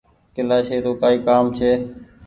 ڪيلآشي رو ڪآئي ڪآم ڇي۔